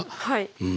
はい。